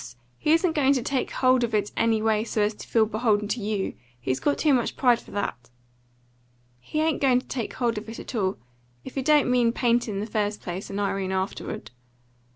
He isn't going to take hold of it any way so as to feel beholden to you. He's got too much pride for that." "He ain't going to take hold of it at all, if he don't mean paint in the first place and Irene afterward.